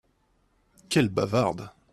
Quelle bavarde !